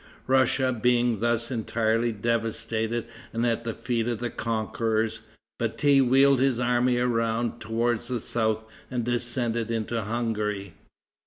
Russia being thus entirely devastated and at the feet of the conquerors, Bati wheeled his army around toward the south and descended into Hungary.